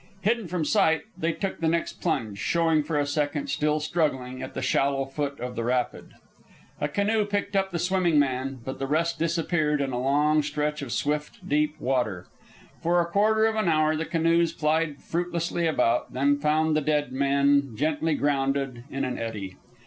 Hidden from sight, they took the next plunge, showing for a second, still struggling, at the shallow foot of the rapid. A canoe picked up the swimming man, but the rest disappeared in a long stretch of swift, deep water. For a quarter of an hour the canoes plied fruitlessly about, then found the dead men gently grounded in an eddy.